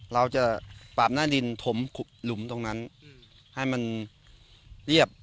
เราจะปราบหน้าดินถมหลุมตรงนั้นให้มันเรียบ